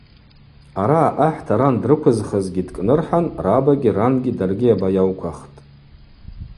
Араъа ахӏта ран дрыквызхызгьи дкӏнырхӏан рабагьи рангьи даргьи абайауквахтӏ.